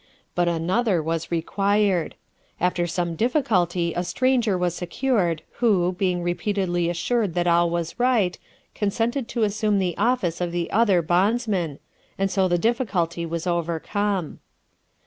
But another was required. After some difficulty a stranger was secured, who, being repeatedly assured that all was right, consented to assume the office of the other bondsman, and so the difficulty was overcome.